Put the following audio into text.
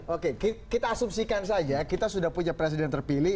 jadi kita asumsikan saja kita sudah punya presiden terpilih